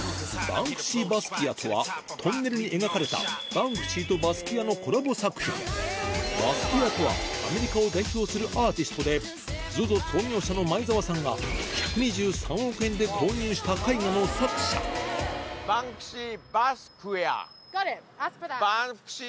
『バンクシー・バスキア』とはトンネルに描かれたバンクシーとバスキアのコラボ作品バスキアとはアメリカを代表するアーティストでＺＯＺＯ創業者の前澤さんが１２３億円で購入した絵画の作者サンキュー！